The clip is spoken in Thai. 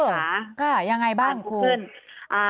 เออยังไงบ้างครู